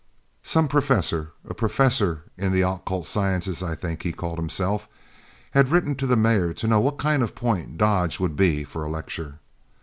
"Some professor, a professor in the occult sciences I think he called himself, had written to the mayor to know what kind of a point Dodge would be for a lecture.